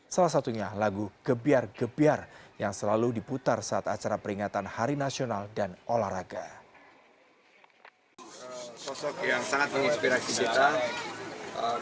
salah satunya lagu gebiar gebiar yang selalu diputar saat acara peringatan hari nasional dan olahraga